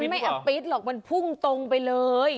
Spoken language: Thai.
ไม่เอาปิดหรอกมันพุ่งตรงไปเลย